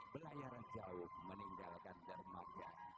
belayar jauh meninggalkan jermatia